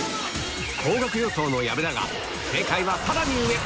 高額予想の矢部だが正解はさらに上！